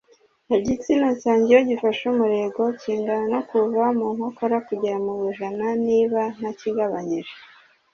Igitsina cyanjye iyo gifashe umurego kingana no kuva mu nkokora kugera mu bujana niba ntakigabanyije